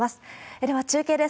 では、中継です。